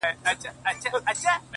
شاعره خداى دي زما ملگرى كه ـ